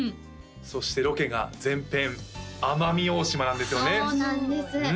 そしてロケが全編奄美大島なんですよね？